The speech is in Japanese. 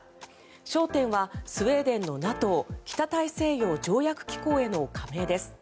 焦点はスウェーデンのＮＡＴＯ・北大西洋条約機構への加盟です。